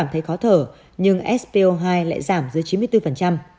theo thông tin truyền tải